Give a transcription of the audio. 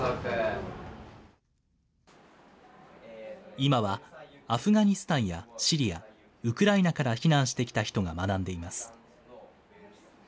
今はアフガニスタンやシリア、ウクライナから避難してきた人が学んでいます。